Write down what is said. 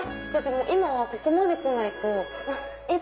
今はここまで来ないと絵だ！